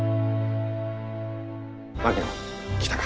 槙野来たか。